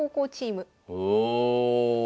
おお。